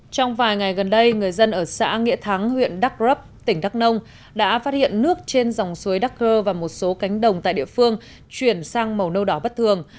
trong vài ngày gần đây người dân ở xã nghĩa thắng huyện đắk rấp tỉnh đắk nông đã phát hiện nước trên dòng suối đắc cơ và một số cánh đồng tại địa phương chuyển sang màu nâu đỏ bất thường